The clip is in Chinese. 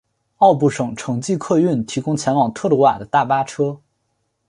奥布省城际客运提供前往特鲁瓦的大巴车。